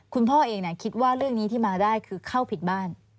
คุณพ่อเองคิดว่าเรื่องนี้ที่มาได้คือเข้าผิดบ้าน